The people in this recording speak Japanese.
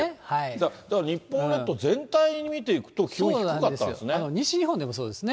だから日本列島全体に見ていくと西日本でもそうですね。